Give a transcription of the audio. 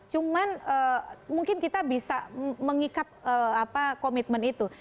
cuman mungkin kita bisa mengikat komitmen itu